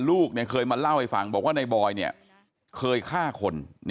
ลูกเนี่ยเคยมาเล่าให้ฟังบอกว่านายบอยเนี่ยเคยฆ่าคน